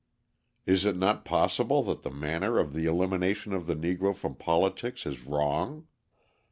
Is it not possible that the manner of the elimination of the Negro from politics is wrong?